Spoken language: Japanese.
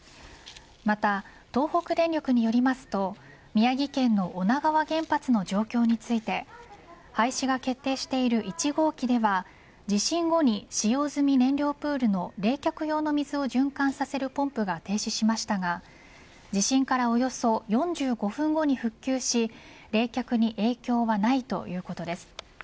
また東北電力によりますと宮城県の女川原発の状況について廃止が決定している１号機では地震後に使用済み燃料プールの冷却用の水を循環させるポンプが停止しましたが地震からおよそ４５分後に復旧し冷却に影響はないということです。